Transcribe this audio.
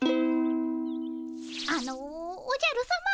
あのおじゃるさま。